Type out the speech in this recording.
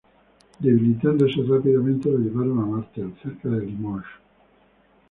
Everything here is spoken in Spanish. Debilitándose rápidamente, lo llevaron a Martel, cerca de Limoges.